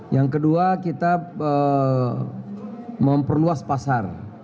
yang kedua kita memperluas pasar